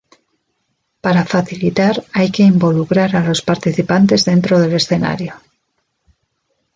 Para facilitar hay que involucrar a los participantes dentro del escenario.